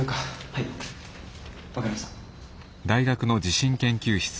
はい分かりました。